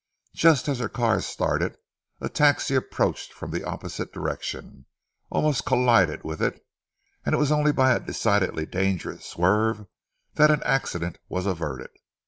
Just as her car started a taxi approached from the opposite direction, almost collided with it, and it was only by a decidedly dangerous swerve that an accident was averted.